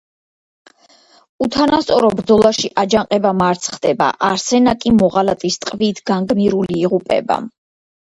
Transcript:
უთანასწორო ბრძოლაში აჯანყება მარცხდება, არსენა კი მოღალატის ტყვიით განგმირული იღუპება.